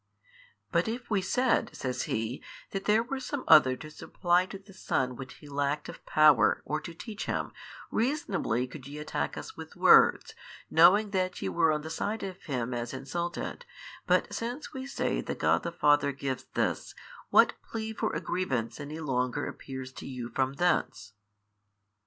"But if we said (says he) that there were some other to supply to the Son what He lacked of power, or to teach Him, reasonably could ye attack us with words, knowing that ye were on the side of Him as insulted: but since we say that God the Father gives this, what plea for aggrievance any longer appears to you from thence?"